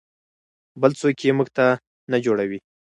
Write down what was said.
بل څوک یې موږ ته نه جوړوي.